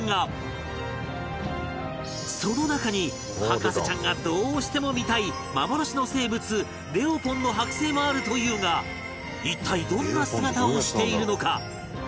その中に博士ちゃんがどうしても見たい幻の生物レオポンの剥製もあるというが一体どんな姿をしているのか？